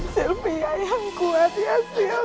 silvia yang kuat ya sil